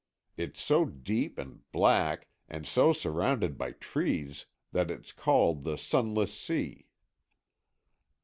It's so deep and black and so surrounded by trees that it's called the Sunless Sea."